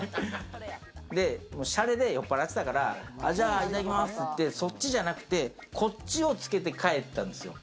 で、シャレで酔っぱらってたから、じゃあ頂きますって言って、そっちじゃなくて、こっちをつけて帰ったんすよ。